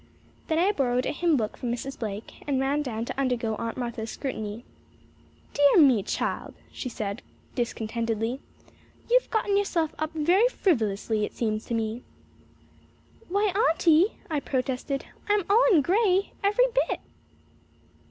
Then I borrowed a hymn book from Mrs. Blake and ran down to undergo Aunt Martha's scrutiny. "Dear me, child," she said discontentedly, "you have gotten yourself up very frivolously, it seems to me." "Why, Aunty," I protested, "I'm all in grey every bit."